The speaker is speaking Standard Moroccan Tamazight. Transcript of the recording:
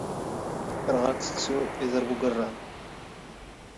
ⵉⵔⵖⴰ ⴽⵙⴽⵙⵓ, ⵉⵣⵔⴱ ⵓⴳⵯⵔⵔⴰⵎ